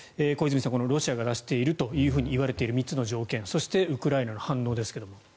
小泉さん、このロシアが出しているといわれている３つの条件そしてウクライナの反応ですが。